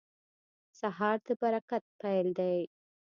سهار د برکت پیل دی.